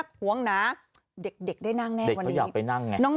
เด็กได้นั่งแน่วันนี้เด็กเขาอยากไปนั่งไง